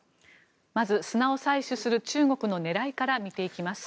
まず砂を採取する中国の狙いから見ていきます。